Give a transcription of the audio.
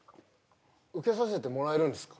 受けさせてもらえるんですか？